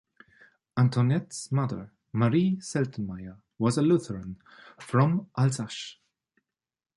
Antoinette’s mother, Marie Seltenmeyer, was a Lutheran from Alsace.